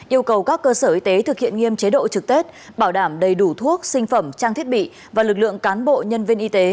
yêu cầu các cơ sở y tế thực hiện nghiêm chế độ trực tết bảo đảm đầy đủ thuốc sinh phẩm trang thiết bị và lực lượng cán bộ nhân viên y tế